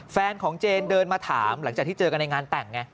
แฟนของเจนเดินมาถามหลังจากที่เจอกันในงานแต่งไง